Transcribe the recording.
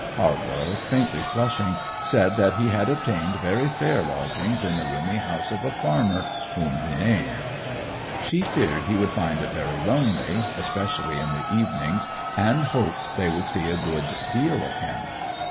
Halborough, faintly flushing, said that he had obtained very fair lodgings in the roomy house of a farmer, whom he named. She feared he would find it very lonely, especially in the evenings, and hoped they would see a good deal of him.